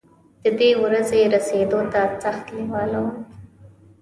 د دې ورځې رسېدو ته سخت لېوال وم.